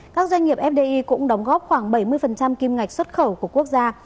các doanh nghiệp fdi cũng đóng góp khoảng bảy mươi kim ngạch xuất khẩu của quốc gia